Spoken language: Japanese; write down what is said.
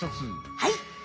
はい！